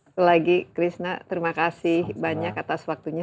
apalagi krisna terima kasih banyak atas waktunya